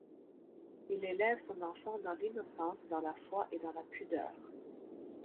Il élève son enfant dans l’innocence, dans la foi et dans la pudeur.